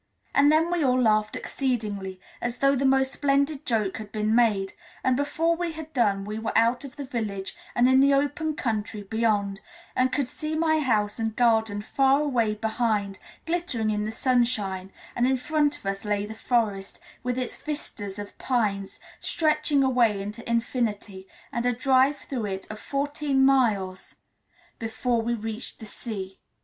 And then we all laughed exceedingly, as though the most splendid joke had been made, and before we had done we were out of the village and in the open country beyond, and could see my house and garden far away behind, glittering in the sunshine; and in front of us lay the forest, with its vistas of pines stretching away into infinity, and a drive through it of fourteen miles before we reached the sea.